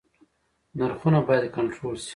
نرخونه باید کنټرول شي